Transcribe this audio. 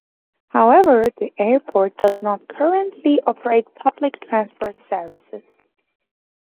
However, the airport does not currently operate public transport services.